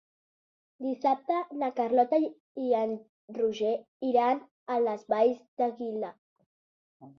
Dissabte na Carlota i en Roger iran a les Valls d'Aguilar.